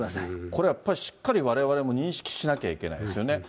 これやっぱり、しっかりわれわれも認識しなきゃいけないですよね。